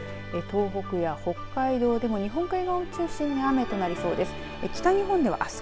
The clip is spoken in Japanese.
東北や北海道でも日本海側を中心に雨となりそうです。